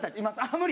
「無理」。